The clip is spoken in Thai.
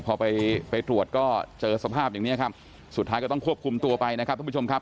พอไปตรวจก็เจอสภาพอย่างนี้ครับสุดท้ายก็ต้องควบคุมตัวไปนะครับ